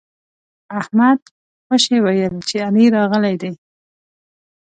احمد خوشي ويل چې علي راغلی دی.